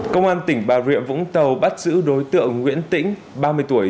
công an tỉnh bà rịa vũng tàu bắt giữ đối tượng nguyễn tĩnh ba mươi tuổi